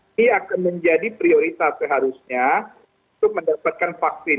ini akan menjadi prioritas seharusnya untuk mendapatkan vaksin